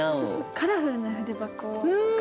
カラフルな筆箱が。